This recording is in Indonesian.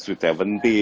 atau seperti tujuh belas